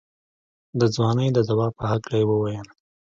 د ځوانۍ د دوا په هکله يې وويل.